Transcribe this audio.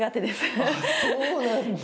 あっ、そうなんだ。